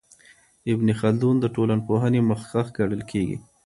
ابن خلدون د ټولنپوهنې مخکښ ګڼل کیږي.